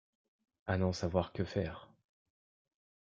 À n’en savoir que faire!